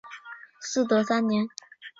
嗣德三年。